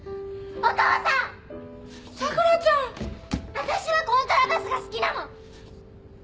わたしはコントラバスが好きなの！